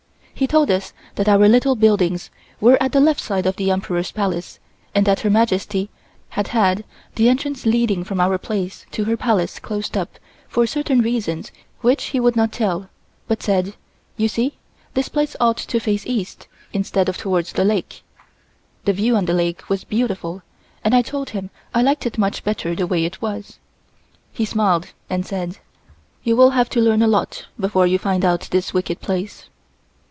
He told us that our little buildings were at the left side of the Emperor's Palace and that Her Majesty had had the entrance leading from our place to her Palace closed up for certain reasons which he would not tell, but said: "You see this place ought to face East instead of towards the lake." The view on the lake was beautiful and I told him I liked it much better the way it was. He smiled and said: "You will have to learn a lot before you find out this wicked place."